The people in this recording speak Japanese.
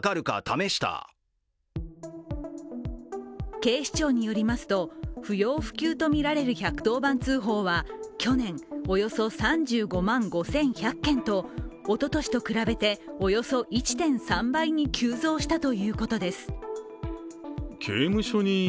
警視庁によりますと不要不急とみられる１１０番通報は去年、およそ３５万５１００件とおととしと比べて、およそ１．３倍に急増したということです。